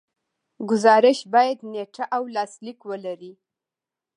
ګزارش باید نیټه او لاسلیک ولري.